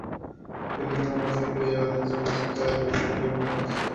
El himno del municipio lleva letra y música de Berto León Rojas.